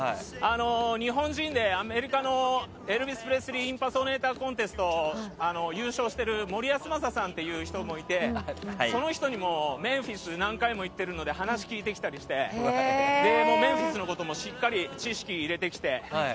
日本人でアメリカのエルヴィス・プレスリーコンテストで優勝しているモリ・ヤスマサさんという方もいてその人にもメンフィス何回も行っているので話を聞いてきたりしてメンフィスのこともしっかり知識を入れてきて。